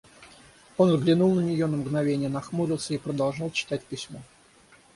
Он взглянул на нее, на мгновенье нахмурился и продолжал читать письмо.